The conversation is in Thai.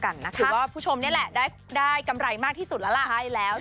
ก่อแล้วกัดคือผู้ชมนี่แหละได้กำไรมากที่สุดมากที่สุดแล้วละ